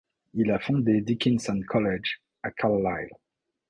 Il a fondé Dickinson College à Carlisle.